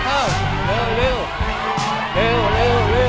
อันนี้๓๒